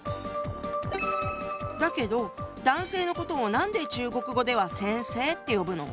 だけど男性のことをなんで中国語では「先生」って呼ぶの？